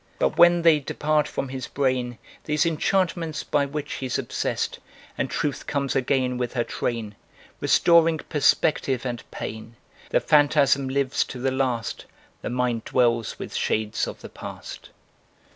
But, when they depart from his brain, These enchantments by which he's obsessed, And Truth comes again with her train Restoring perspective and pain, The phantasm lives to the last, The mind dwells with shades of the past.